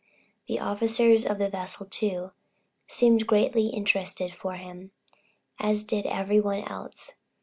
The officers of the vessel too, seemed greatly interested for him, as did every one else.